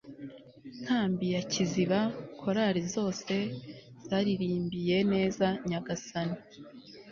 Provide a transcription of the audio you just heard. nkambi ya kiziba. chorales zose zaririmbiye neza nyagasani